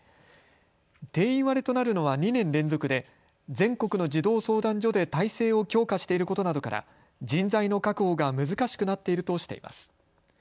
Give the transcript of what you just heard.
定員割れとなるのは２年連続で全国の児童相談所で体制を強化していることなどから人材の確保が難しくなっているとしています。